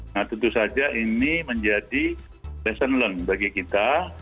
nah tentu saja ini menjadi lesson learned bagi kita